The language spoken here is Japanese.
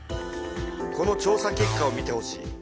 この調さ結果を見てほしい。